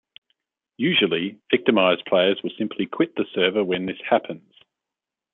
Usually, victimized players will simply quit the server when this happens.